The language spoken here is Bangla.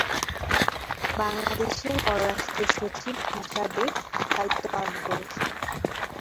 বাংলাদেশের পররাষ্ট্র সচিব হিসাবে দায়িত্ব পালন করেছেন।